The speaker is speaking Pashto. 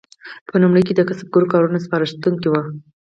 په لومړیو کې د کسبګرو کارونه سپارښتونکي وو.